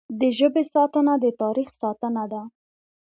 د ژبې ساتنه د تاریخ ساتنه ده.